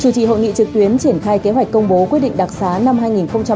chủ trì hội nghị trực tuyến triển khai kế hoạch công bố quyết định đặc xá năm hai nghìn hai mươi